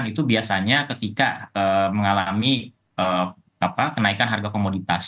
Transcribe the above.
itu biasanya ketika mengalami kenaikan harga komoditas